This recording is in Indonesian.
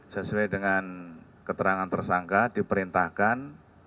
sesuai dengan keterangan tersangka diperintahkan